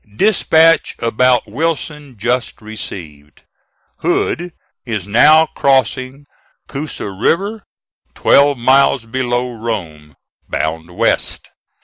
"Dispatch about Wilson just received. Hood is now crossing Coosa River, twelve miles below Rome, bound west.